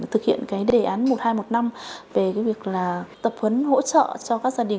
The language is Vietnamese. thực hiện đề án một hai một năm về việc tập huấn hỗ trợ cho các gia đình